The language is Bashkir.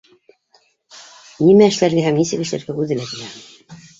Нимә эшләргә һәм нисек эшләргә үҙе лә белә